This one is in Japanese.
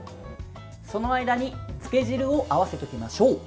その間に漬け汁を合わせていきましょう。